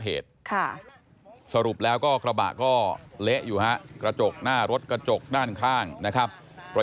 อย่าอย่าอย่าอย่าอย่าอย่าอย่าอย่าอย่าอย่าอย่าอย่าอย่าอย่าอย่า